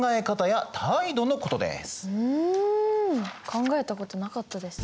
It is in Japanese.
考えたことなかったです。